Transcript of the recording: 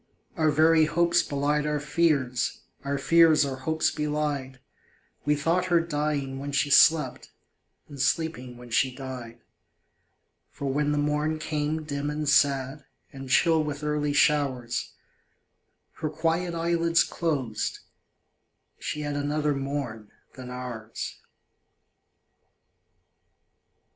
Our very hopes belied our fears, Our fears our hopes belied We thought her dying when she slept, And sleeping when she died. For when the morn came dim and sad, And chill with early showers, Her quiet eyelids closed she had Another morn than ours.